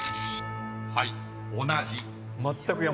［はい同じ］